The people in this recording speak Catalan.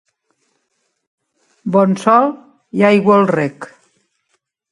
Bon sol i aigua al rec.